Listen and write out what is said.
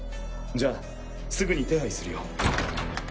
じゃあすぐに手配するよ。